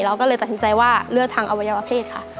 เราก็เลยตัดสินใจว่าเลือกทางอวัยวะเพศค่ะ